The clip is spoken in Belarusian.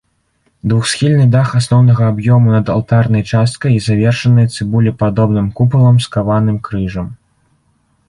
Двухсхільны дах асноўнага аб'ёму над алтарнай часткай завершаны цыбулепадобным купалам з каваным крыжам.